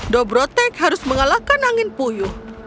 dobrotek harus mengalahkan angin puyuh